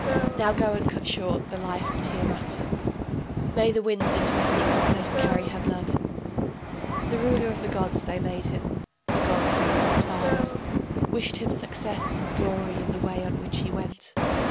Now go and cut short the life of Tiamat, May the winds into a secret place carry her blood. The ruler of the gods they made him, the gods, his fathers, Wished him success and glory in the way on which he went.